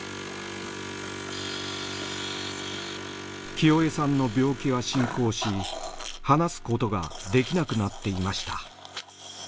キヨエさんの病気は進行し話すことができなくなっていました。